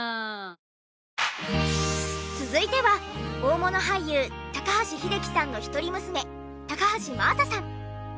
続いては大物俳優高橋英樹さんの一人娘高橋真麻さん。